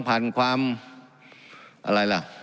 การปรับปรุงทางพื้นฐานสนามบิน